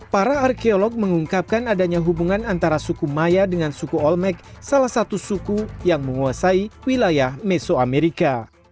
para arkeolog mengungkapkan adanya hubungan antara suku maya dengan suku olmec salah satu suku yang menguasai wilayah mesoamerica